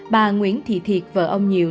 bà nguyễn thị thiệt vợ ông nhiều